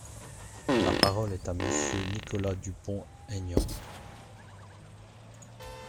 La parole est à Monsieur Nicolas Dupont-Aignan.